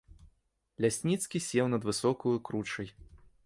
Лясніцкі сеў над высокаю кручай.